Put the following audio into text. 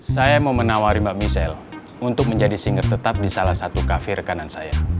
saya mau menawari mbak michelle untuk menjadi singer tetap di salah satu kafir kanan saya